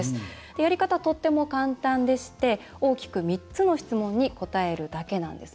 やり方、とっても簡単でして大きく３つの質問に答えるだけなんです。